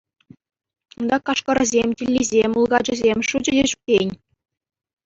Унта кашкӑрӗсем, тиллисем, мулкачӗсем — шучӗ те ҫук тейӗн.